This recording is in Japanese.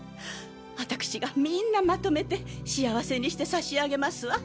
わたくしがみんなまとめて幸せにして差し上げますわ。